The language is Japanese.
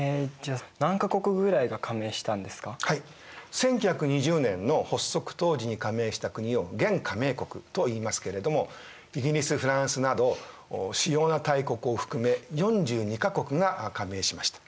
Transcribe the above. １９２０年の発足当時に加盟した国を原加盟国といいますけれどもイギリスフランスなど主要な大国を含め４２か国が加盟しました。